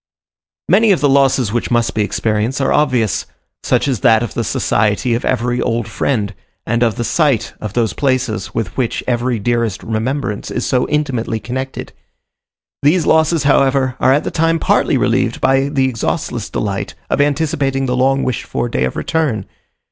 Many of the losses which must be experienced are obvious; such as that of the society of every old friend, and of the sight of those places with which every dearest remembrance is so intimately connected. These losses, however, are at the time partly relieved by the exhaustless delight of anticipating the long wished for day of return.